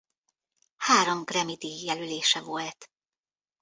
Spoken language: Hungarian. Három Grammy-díj jelölése volt.